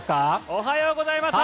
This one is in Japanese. おはようございます。